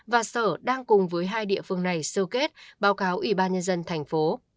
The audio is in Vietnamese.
và sở đang cùng với hai địa phương này sơ kết báo cáo ủy ban nhân dân tp